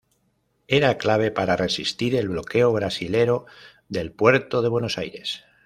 Era clave para resistir el bloqueo brasilero del puerto de Buenos Aires.